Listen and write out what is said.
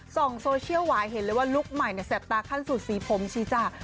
ส่งโซเชียลหวายเห็นเลยว่าลุคใหม่เนี่ยแสบตาขั้นสุดสีผมชี้จ้ะ